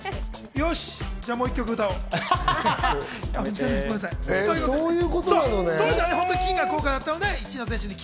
よし、じゃあもう１曲歌おう。